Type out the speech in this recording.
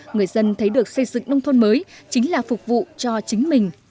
người dân thấy được xây dựng nông thôn mới chính là phục vụ cho chính mình